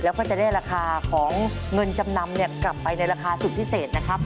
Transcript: แล้วก็จะได้ราคาของเงินจำนำกลับไปในราคาสุดพิเศษนะครับ